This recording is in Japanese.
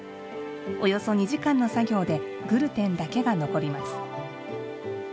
およそ２時間の作業でグルテンだけが残ります。